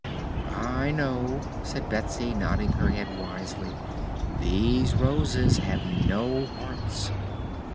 "I know," said Betsy, nodding her head wisely. "These Roses have no hearts."